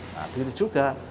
nah begitu juga